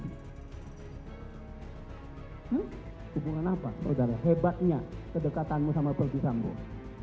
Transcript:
hubungan apa saudara hebatnya kedekatanmu sama pergi sambung